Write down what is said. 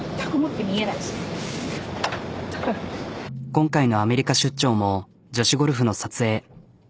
今回のアメリカ出張も女子ゴルフの撮影。